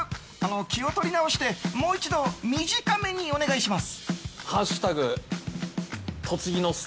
気を取り直してもう一度、短めにお願いします。